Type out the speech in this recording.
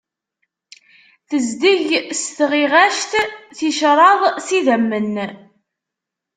Tezdeg s tɣiɣact, ticṛad s idammen.